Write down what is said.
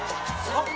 あっ！